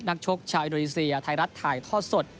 ชกชาวอินโดนีเซียไทยรัฐถ่ายทอดสด